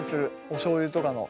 おしょうゆとかの。